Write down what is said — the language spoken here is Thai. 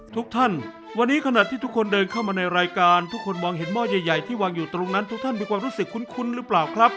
ทุกท่านวันนี้ขณะที่ทุกคนเดินเข้ามาในรายการทุกคนมองเห็นหม้อใหญ่ที่วางอยู่ตรงนั้นทุกท่านมีความรู้สึกคุ้นหรือเปล่าครับ